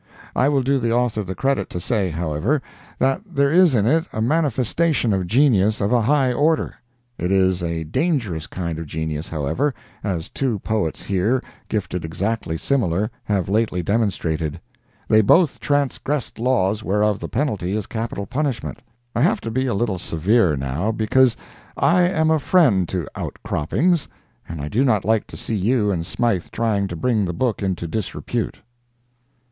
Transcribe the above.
I will do the author the credit to say, however, that there is in it a manifestation of genius of a high order. It is a dangerous kind of genius, however, as two poets here, gifted exactly similar, have lately demonstrated—they both transgressed laws whereof the penalty is capital punishment. I have to be a little severe, now, because I am a friend to "Outcroppings," and I do not like to see you and Smythe trying to bring the book into disrepute.